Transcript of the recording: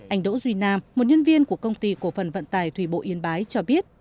anh đỗ duy nam một nhân viên của công ty cổ phần vận tài thủy bộ yên bái cho biết